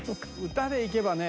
歌でいけばね